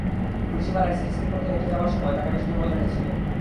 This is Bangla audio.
পুলিশি পাহারায় সিটি স্ক্যান করতে হেঁটে যাওয়ার সময় তাঁকে বেশ দুর্বল দেখাচ্ছিল।